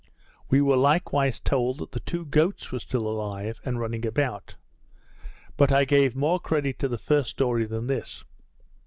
We were likewise told, that the two goats were still alive, and running about; but I gave more credit to the first story than this.